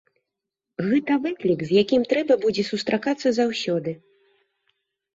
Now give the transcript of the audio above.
Гэта выклік, з якім трэба будзе сустракацца заўсёды.